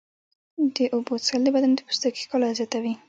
د اوبو څښل د بدن د پوستکي ښکلا زیاتوي.